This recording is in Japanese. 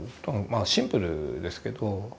まあシンプルですけど。